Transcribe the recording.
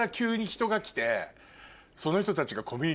その人たちが。